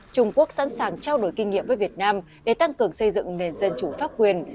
trung quốc sẵn sàng trao đổi kinh nghiệm với việt nam để tăng cường xây dựng nền dân chủ pháp quyền